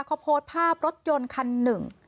เขาโพสต์ภาพรถยนต์คันหนึ่ง